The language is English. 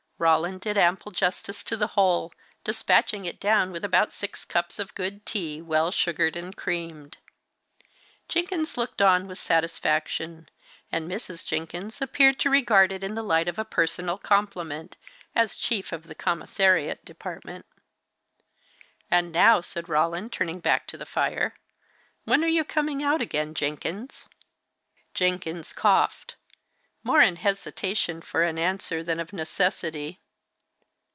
Roland did ample justice to the whole, despatching it down with about six cups of good tea, well sugared and creamed. Jenkins looked on with satisfaction, and Mrs. Jenkins appeared to regard it in the light of a personal compliment, as chief of the commissariat department. "And now," said Roland, turning back to the fire, "when are you coming out again, Jenkins?" Jenkins coughed more in hesitation for an answer, than of necessity.